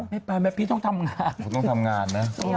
ไม่ไปนะพี่ต้องทำงาน